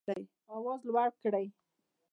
آواز لوړ کړئ